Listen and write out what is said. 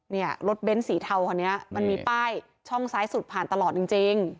เนี่ยรถเบ้นสีเทาคันนี้มันมีป้ายช่องซ้ายสุดผ่านตลอดจริง